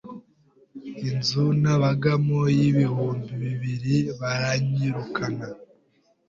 inzu nabagamo y’ibihumbi bibiri baranyirukana